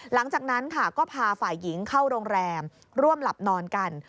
หลังจากนั้นค่ะก็พาฝ่ายหญิงเข้าโรงแรมร่วมหลับนอนกัน